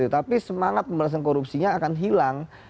tapi semangat pemberantasan korupsinya akan hilang